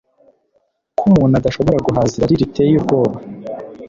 ko umuntu adashobora guhaza irari riteye ubwoba